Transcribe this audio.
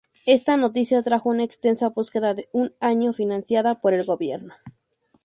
Esta noticia trajo una extensa búsqueda de un año financiada por el Gobierno.